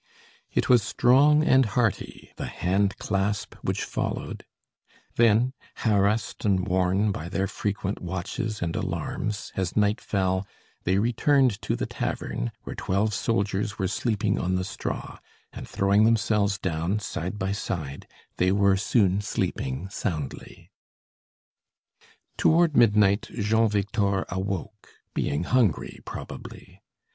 It was strong and hearty, the hand clasp which followed: then, harassed and worn by their frequent watches and alarms, as night fell, they returned to the tavern, where twelve soldiers were sleeping on the straw; and throwing themselves down side by side, they were soon sleeping soundly. Toward midnight Jean Victor awoke, being hungry probably.